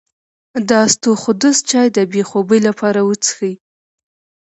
د اسطوخودوس چای د بې خوبۍ لپاره وڅښئ